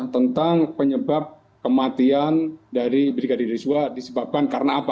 tentang penyebab kematian dari brigadir yosua disebabkan karena apa